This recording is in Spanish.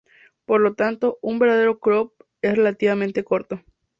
Por lo tanto, un verdadero crop es relativamente corto.